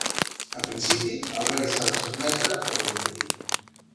En principi, el rei s'ha de sotmetre o de dimitir.